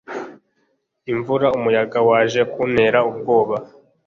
imvura 'umuyaga waje kuntera ubwoba